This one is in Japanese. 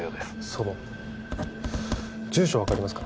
祖母住所分かりますか？